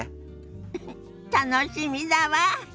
ウフ楽しみだわ！